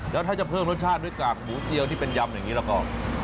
แล้วถ้าจะเพิ่มรสชาติด้วยกากหมูเจียวที่เป็นยำอย่างนี้แล้วก็